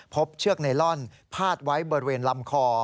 เชือกไนลอนพาดไว้บริเวณลำคอ